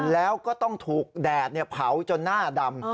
แล้วก็ต้องถูกแดดเผาจนหน้าดำ